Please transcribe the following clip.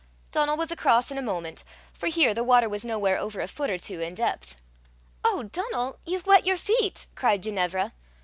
Donal was across in a moment, for here the water was nowhere over a foot or two in depth. "Oh, Donal! you've wet your feet!" cried Ginevra.